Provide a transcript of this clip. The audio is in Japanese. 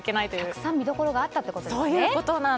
たくさん見どころがあったということですね。